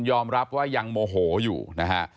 ยอมรับว่ายังโมโหอยู่นะฮะ